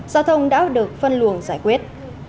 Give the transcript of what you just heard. giao thông đã được phân luồng giải quyết